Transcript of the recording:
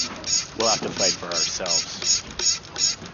We'll have to fight for ourselves.